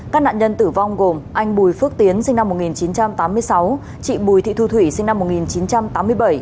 các nạn nhân tử vong gồm anh bùi phước tiến sinh năm một nghìn chín trăm tám mươi sáu chị bùi thị thu thủy sinh năm một nghìn chín trăm tám mươi bảy